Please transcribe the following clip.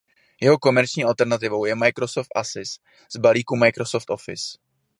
Jeho komerční alternativou je Microsoft Access z balíku Microsoft Office.